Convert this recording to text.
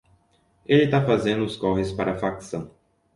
Ele tá fazendo os corres para a facção